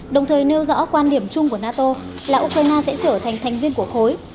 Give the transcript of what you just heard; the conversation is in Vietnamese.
đồng thời nêu rõ quan điểm chung của nato là ukraine sẽ trở thành thành viên của khối